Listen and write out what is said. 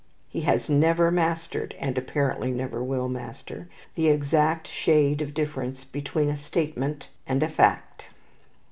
He has never mastered, and apparently never will master, the exact shade of difference between a statement and a fact.